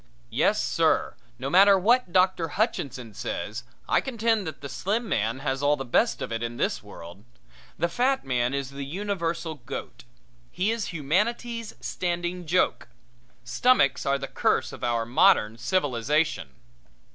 Yes sir, no matter what Doctor Hutchinson says, I contend that the slim man has all the best of it in this world. The fat man is the universal goat; he is humanity's standing joke. Stomachs are the curse of our modern civilization.